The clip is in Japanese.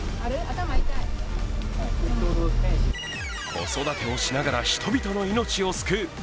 子育てをしながら人々の命を救う。